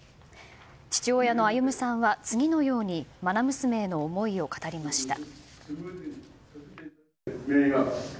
父親の歩さんは次のように愛娘への思いを語りました。